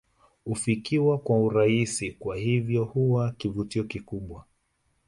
Hufikiwa kwa urahisi na hivyo huwa kivutio kikubwa